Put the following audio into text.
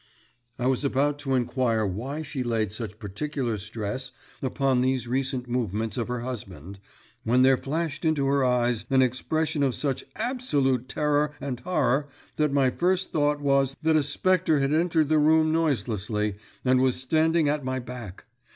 I was about to inquire why she laid such particular stress upon these recent movements of her husband, when there flashed into her eyes an expression of such absolute terror and horror that my first thought was that a spectre had entered the room noiselessly, and was standing at my back.